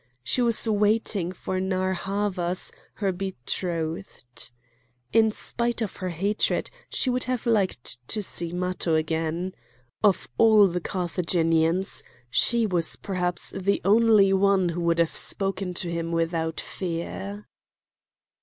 She was waiting for Narr' Havas, her betrothed. In spite of her hatred she would have liked to see Matho again. Of all the Carthaginians she was perhaps the only one who would have spoken to him without fear.